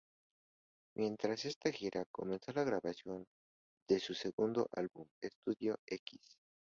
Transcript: Mientras esta gira, comenzó la grabación de su segundo álbum de estudio, "x".